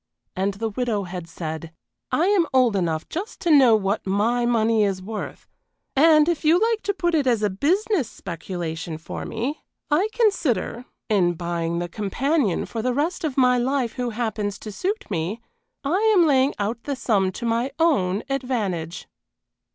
And the widow had said: "Now look here, I am old enough just to know what my money is worth and if you like to put it as a business speculation for me, I consider, in buying the companion for the rest of my life who happens to suit me, I am laying out the sum to my own advantage."